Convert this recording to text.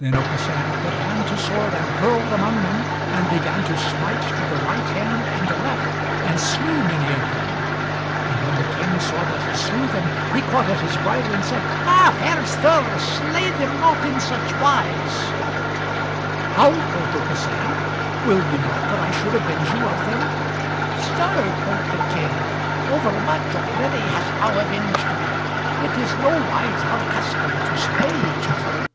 Then Aucassin put hand to sword, and hurled among them, and began to smite to the right hand and the left, and slew many of them. And when the King saw that he slew them, he caught at his bridle and said, "Ha! fair sir, slay them not in such wise." "How," quoth Aucassin, "will ye not that I should avenge you of them?" "Sir," quoth the King, "overmuch already hast thou avenged me. It is nowise our custom to slay each other."